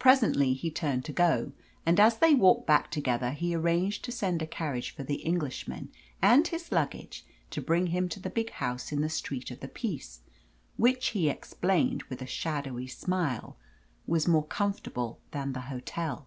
Presently he turned to go, and as they walked back together he arranged to send a carriage for the Englishman and his luggage to bring him to the big house in the Street of the Peace, which he explained with a shadowy smile was more comfortable than the hotel.